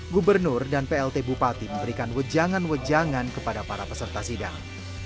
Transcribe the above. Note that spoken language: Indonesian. gubernur dan plt bupati memberikan wejangan wejangan kepada para peserta sidang